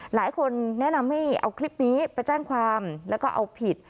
หลายคนแนะนำให้เอาคลิปนี้ไปแจ้งความแล้วก็เอาผิด